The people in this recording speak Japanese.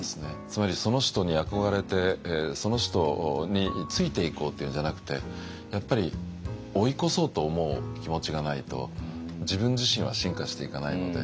つまりその人に憧れてその人についていこうというんじゃなくてやっぱり追い越そうと思う気持ちがないと自分自身は進化していかないので。